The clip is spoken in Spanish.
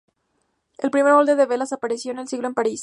El primer molde de velas apareció en el siglo en París.